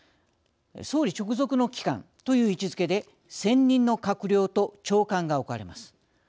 総理直属の機関という位置づけで専任の閣僚と長官が置かれます。